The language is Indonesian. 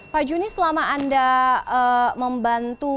pak juni selama anda membantu